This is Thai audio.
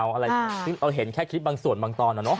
อะไรซึ่งเราเห็นแค่คลิปบางส่วนบางตอนอะเนาะ